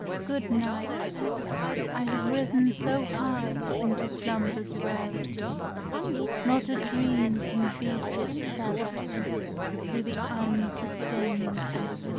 Good night; I have risen so high Into slumber's rarity, Not a dream can beat its feather Through the unsustaining ether.